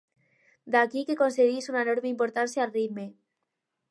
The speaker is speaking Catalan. D'aquí que concedís una enorme importància al ritme.